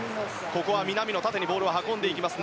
ここは南野縦にボールを運んでいきます。